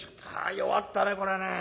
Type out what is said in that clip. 「弱ったねこれね」。